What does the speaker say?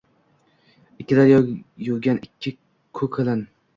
Ikki daryo yuvgan ikki kokilin —